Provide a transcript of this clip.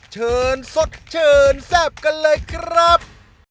เชิญสดเชิญแซ่บกันเลยครับ